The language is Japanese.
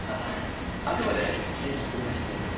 あくまで形式的な質問です。